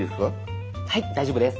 はい大丈夫です。